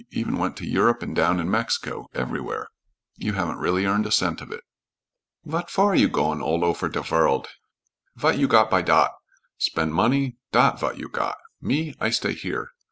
Even went to Europe and down in Mexico everywhere. You haven't really earned a cent of it." "Vat for you goin' all offer de vorld? Vat you got by dot? Spen' money dot vot you got. Me, I stay here.